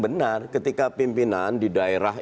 benar ketika pimpinan di daerah